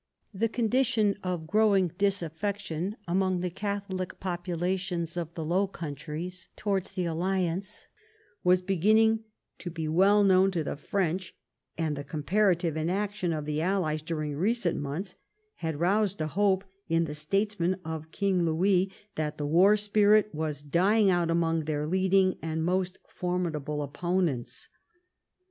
The condition of growing disaffection among the Catholic populations of the Low Countries towards the alliance was beginning to be well known to the French^ and the comparative inaction of the allies during recent months had roused a hope in the states men of King Louis that the war spirit was dying out among their leading and most formidable opponents.